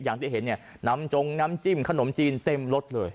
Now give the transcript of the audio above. อย่างที่เห็นเนี่ยน้ำจงน้ำจิ้มขนมจีนเต็มรสเลย